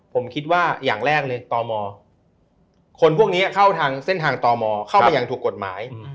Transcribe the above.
ผมคิดว่าอย่างแรกเลยตมคนพวกนี้เข้าทางเส้นทางต่อมอเข้าไปอย่างถูกกฎหมาย